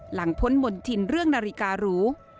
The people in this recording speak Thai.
หลังพ้นหมดทินเรื่องนาฬิการู